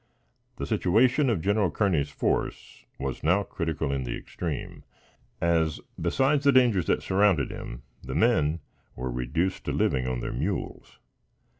The situation of Gen. Kearney's force was now critical in the extreme; as, besides the dangers that surrounded him, the men were reduced to living on their mules.